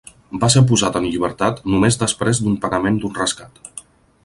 Va ser posat en llibertat només després d'un pagament d'un rescat.